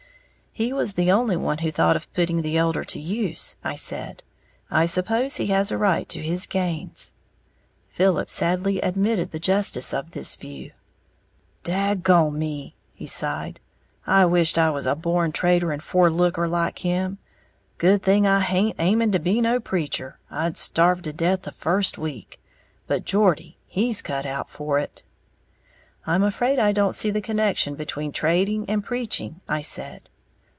"He was the only one who thought of putting the elder to use," I said. "I suppose he has a right to his gains." Philip sadly admitted the justice of this view. "Dag gone me," he sighed, "I wisht I was a born trader and forelooker like him! Good thing I haint aiming to be no preacher, I'd starve to death the first week. But Geordie he's cut out for it." "I'm afraid I don't see the connection between trading and preaching," I said.